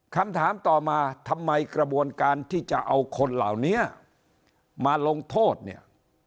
คำถามต่อมาทำไมกระบวนการที่จะเอาคนเหล่านี้มาลงโทษเนี่ย